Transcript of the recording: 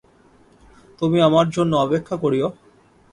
তুমি আমার জন্য অপেক্ষা করিয়ো।